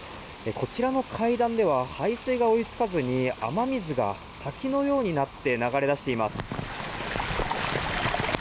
こちらの階段では排水が追いつかずに雨水が滝のようになって流れ出しています。